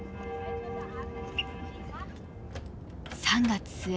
３月末